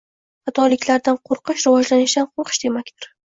Xatoliklardan qo’rqish rivojlanishdan qo’rqish demakdir